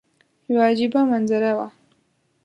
یوه عجیبه منظره وه.